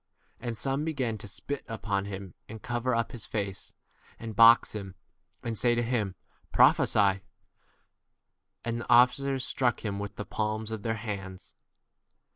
And some began to spit upon him, and cover up his face, and box him, and say to him, Prophesy ; and the officers struck him with the palms of their hands